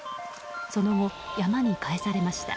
その後、山に帰されました。